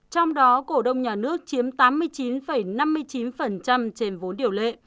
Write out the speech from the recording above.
trong đó cổ đông nhà nước chiếm tám mươi chín năm mươi chín trên vốn điều lệ